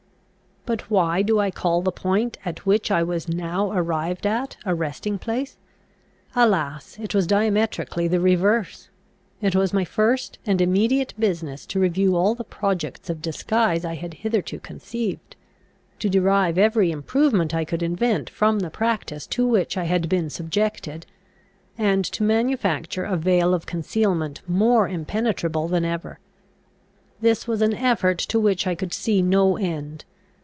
But why do I call the point at which I was now arrived at a resting place? Alas, it was diametrically the reverse! It was my first and immediate business to review all the projects of disguise I had hitherto conceived, to derive every improvement I could invent from the practice to which I had been subjected, and to manufacture a veil of concealment more impenetrable than ever. This was an effort to which I could see no end.